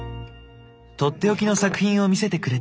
とっておきの作品を見せてくれた。